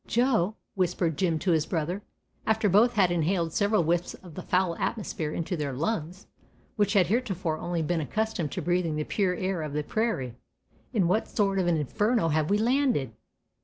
"Joe," whispered Jim to his brother, after both had inhaled several whiffs of the foul atmosphere into their lungs, which had heretofore only been accustomed to breathing the pure air of the prairie, "in what sort of an inferno have we landed?"